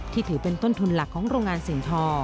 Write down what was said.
ถือเป็นต้นทุนหลักของโรงงานสินทอ